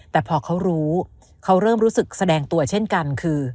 แต่พอเขารู้เขาเริ่มรู้สึกแสดงตัวเช่นกันคือ